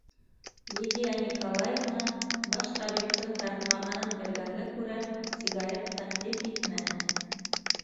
- Лидия Николаевна, баш табиптың тартмағанын белгәнгә күрә, сигарет тәҡдим итмәне.